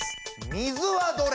「水はどれ？」。